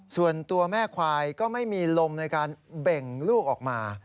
ส่วนตัวแม่ควายก็ไม่มีลมในการเบ่งลูกออกมา